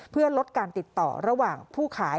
เพื่อลดการติดต่อระหว่างผู้ขาย